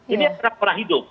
ini yang terakhir hidup